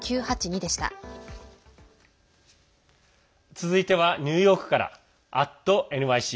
続いてはニューヨークから「＠ｎｙｃ」。